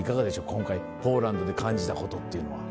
今回ポーランドで感じたことっていうのは。